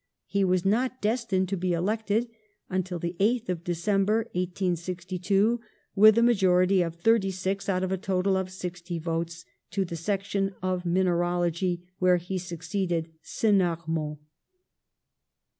He was not destined to be elected until the 8th of December, 1862, with a majority of 36 out of a total of sixty votes, to the section of mineralogy, where he succeeded Senarmont.